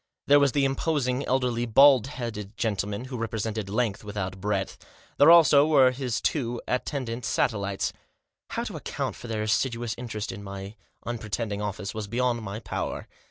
There was the imposing, elderly, bald headed gentleman, who represented length without breadth ; there, also, were his two at tendant satellites. How to account for their assiduous interest in my unpretending office was beyond my power.